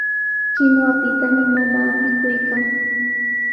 Kinuwapitami mamaa apikuykan.